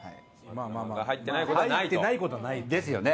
まあ入ってない事はないと。ですよね。